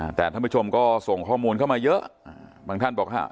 แต่ท่านผู้ชมก็ส่งข้อมูลเข้ามาเยอะอ่าบางท่านบอกฮะ